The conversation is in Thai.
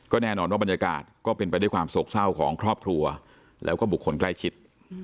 แน่นอนว่าบรรยากาศก็เป็นไปด้วยความโศกเศร้าของครอบครัวแล้วก็บุคคลใกล้ชิด